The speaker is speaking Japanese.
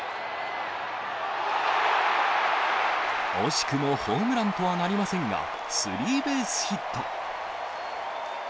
惜しくもホームランとはなりませんが、スリーベースヒット。